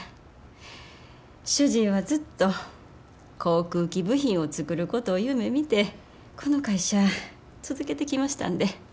主人はずっと航空機部品を作ることを夢みてこの会社続けてきましたんで。